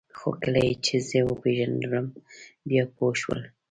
خو کله یې چې زه وپېژندلم بیا پوه شول